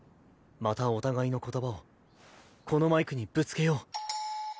またお互いの言葉をこのマイクにぶつけよう。